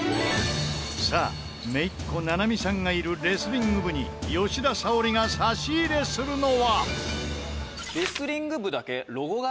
さあ姪っ子七名海さんがいるレスリング部に吉田沙保里が差し入れするのは。